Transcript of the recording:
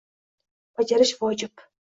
Bajarish “vojib”.